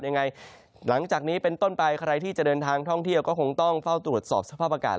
หลังจากนี้เป็นต้นไปใครที่จะเดินทางท่องเที่ยวก็คงต้องเฝ้าตรวจสอบสภาพอากาศ